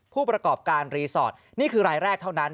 ผู้ประกอบการรีสอร์ทนี่คือรายแรกเท่านั้น